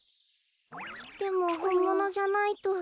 でもほんものじゃないと。